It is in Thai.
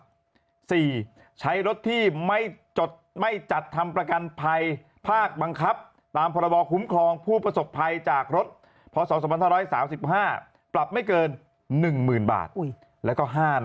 ๔ขับรถโดยใช้รถที่ไม่จัดทำประกันภัยภาคบังคับตามประบอบคุ้มครองผู้ประสบภัยจากรถพศ๒๕๓๕ปรับไม่เกิน๑๐๐๐๐บาท